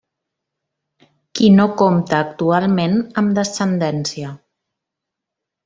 Qui no compta actualment amb descendència.